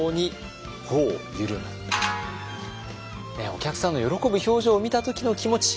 お客さんの喜ぶ表情を見た時の気持ち。